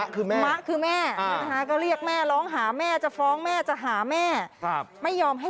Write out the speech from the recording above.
กะดูภาพนาทีที่เขาไปจับหน่อยค่ะ